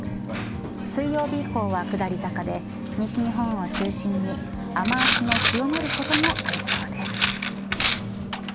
水曜日以降は下り坂で西日本を中心に雨脚の強まることもありそうです。